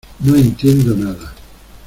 no entiendo nada.